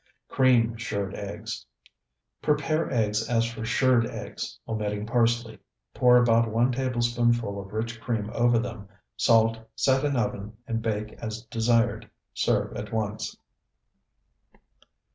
CREAM SHIRRED EGGS Prepare eggs as for shirred eggs, omitting parsley. Pour about one tablespoonful of rich cream over them, salt, set in oven, and bake as desired. Serve at once.